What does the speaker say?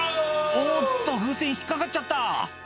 「おっと風船引っかかっちゃった」